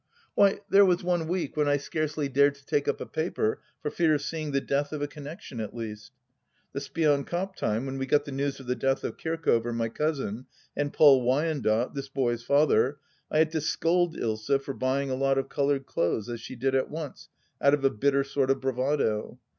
Why, there was one week when I scarcely dared to take up a paper for fear of seeing the death of a connection, at least. The Spion Kop time, when we got the news of the death of Kirkover, my cousin, and Paul Wyandotte, this boy's father, I had to scold Ilsa for buying a lot of coloured clothes, as she did at once, out of a bitter sort of bravado.